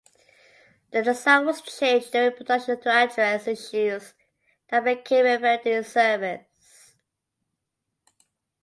The design was changed during production to address issues that became apparent in service.